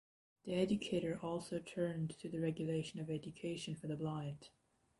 The educator also turned to the regulation of education for the blind.